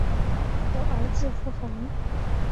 有儿子伏暅。